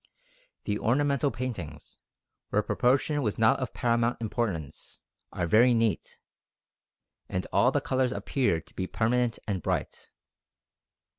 The ornamental paintings, where proportion was not of paramount importance, are very neat, and all the colours appear to be permanent and bright."